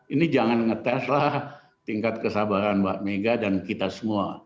ini jangan ngeteslah tingkat kesabaran mbak mega dan kita semua